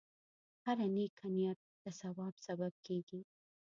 هره نیکه نیت د ثواب سبب کېږي.